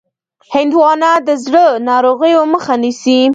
هندوانه د زړه ناروغیو مخه نیسي.